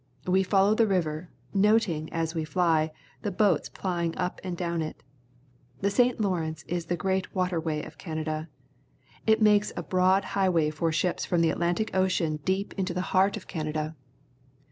We follow the river, noting, as we fl}', the boats plying up and down it. The St. Lawrence is the great waterway of Canada. It makes a broad liighway for ships from the Atlantic Ocean deep into the heart of Canada.